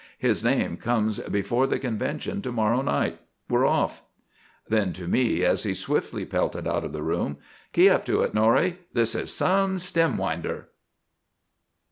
His name comes before the convention to morrow night. We're off." Then to me as we swiftly pelted out of the room: "Key up to it, Norrie; this is some stem winder!"